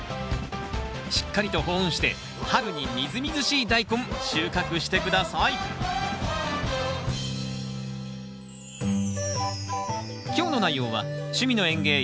しっかりと保温して春にみずみずしいダイコン収穫して下さい今日の内容は「趣味の園芸やさいの時間」